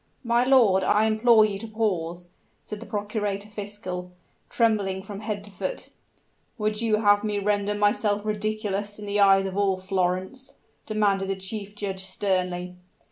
"My lord, I implore you to pause!" said the procurator fiscal, trembling from head to foot. "Would you have me render myself ridiculous in the eyes of all Florence?" demanded the chief judge sternly.